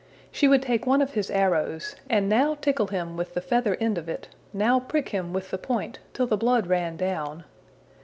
She would take one of his arrows, and now tickle him with the feather end of it, now prick him with the point till the blood ran down.